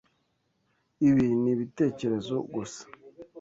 Ibi nibitekerezo gusa.